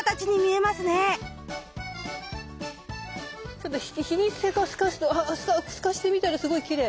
ちょっと日に透かすと透かしてみたらすごいきれい。